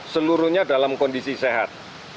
seluruhnya dalam kondisi sehat